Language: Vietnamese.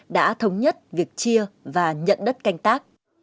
đã thống nhất việc chia và nhận đất canh tác